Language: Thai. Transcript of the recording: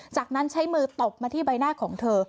จากนั้นใช้มือตบมาที่ใบหน้าของเธอ